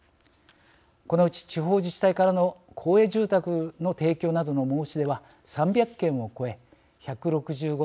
このうち地方自治体からの公営住宅の提供などの申し出は３００件を超え１６５